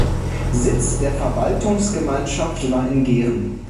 Sitz der Verwaltungsgemeinschaft war in Gehren.